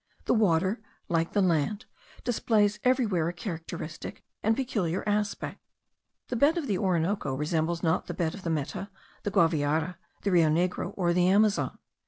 The water, like the land, displays everywhere a characteristic and peculiar aspect. The bed of the Orinoco resembles not the bed of the Meta, the Guaviare, the Rio Negro, or the Amazon.